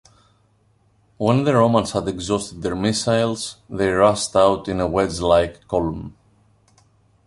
When the Romans had exhausted their missiles, they rushed out in a wedge-like column.